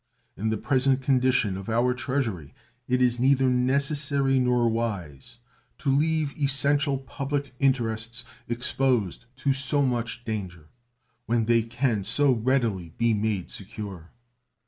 In the present condition of our Treasury it is neither necessary nor wise to leave essential public interests exposed to so much danger when they can so readily be made secure.